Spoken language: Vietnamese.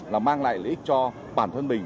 là mang lại lợi ích cho bản thân mình